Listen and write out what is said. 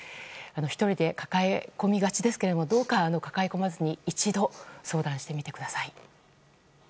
１人で抱え込みがちですけどどうか抱え込まずに一度相談してみてください。